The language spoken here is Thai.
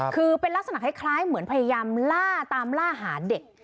คือเป็นลักษณะคล้ายเหมือนพยายามล่าตามล่าหาเด็ก